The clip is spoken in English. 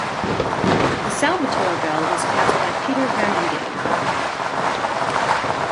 The "Salvator" bell was cast by Peter van den Gheyn.